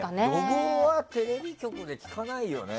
怒号はテレビ局で聞かないよね。